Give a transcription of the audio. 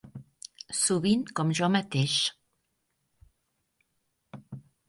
Sovint com jo mateix.